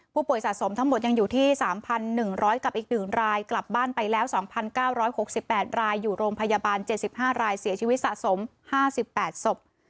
ผู้ป่วยสะสมทั้งหมดยังอยู่ที่สามพันหนึ่งร้อยกับอีกหนึ่งรายกลับบ้านไปแล้วสองพันเก้าร้อยหกสิบแปดรายอยู่โรงพยาบาลเจ็ดสิบห้ารายเสียชีวิตสะสมห้าสิบแปดศพ